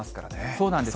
そうなんです。